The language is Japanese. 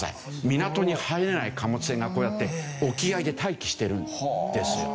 港に入れない貨物船がこうやって沖合で待機しているんですよ。